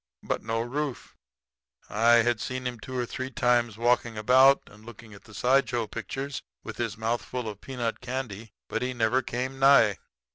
But, no Rufe. I'd seen him two or three times walking about and looking at the side show pictures with his mouth full of peanut candy; but he never came nigh.